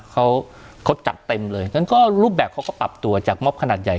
เขาเขาจัดเต็มเลยงั้นก็รูปแบบเขาก็ปรับตัวจากม็อบขนาดใหญ่